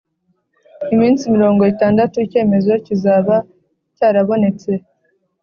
iminsi mirongo itandatu Icyemezo cyizaba cyarabonetse